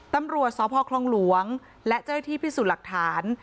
ตำรวจสพคลองหลวงและเจ้าหน้าที่พิสูจน์หลักฐาน